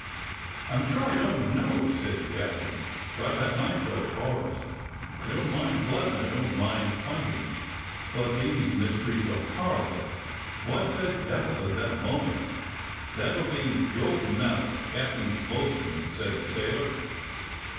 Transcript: "I'm sure I don't know," said the captain, "for I've had my fill of horrors. I don't mind blood and I don't mind fighting, but these mysteries are horrible. What the devil is that moaning.^ " "That'll be Job Mallet, captain's bo'sun," said the sailor.